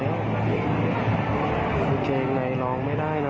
มนุษย์ป้าท่านสัมผัสลองไม่ได้นะ